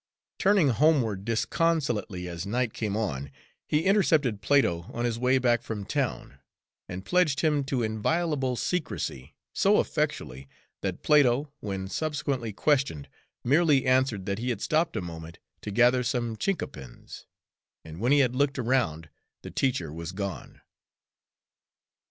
Turning homeward disconsolately as night came on, he intercepted Plato on his way back from town, and pledged him to inviolable secrecy so effectually that Plato, when subsequently questioned, merely answered that he had stopped a moment to gather some chinquapins, and when he had looked around the teacher was gone.